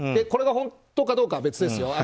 これが本当かどうかは別ですよ。